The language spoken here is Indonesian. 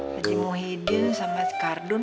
haji muhyiddin sama sikardun